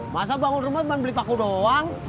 masa bangun rumah bukan beli paku doang